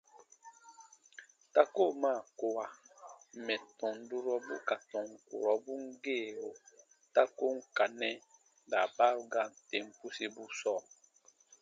Ta koo maa kowa mɛ̀ tɔn durɔbu ka tɔn kurɔbun geeru ta ko n ka nɛ daabaaru gaan tem pusibu sɔɔ.